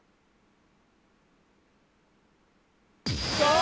あ！